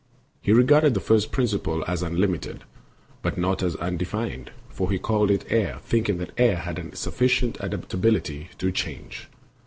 He regarded the first principle as unlimited, but not as undefined, for he called it air, thinking that air had a sufficient adaptability to change.